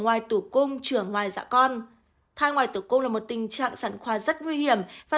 ngoài tủ cung chở ngoài dạ con thai ngoài tử cung là một tình trạng sản khoa rất nguy hiểm và